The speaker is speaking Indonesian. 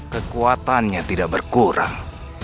kekuatannya tidak berkurang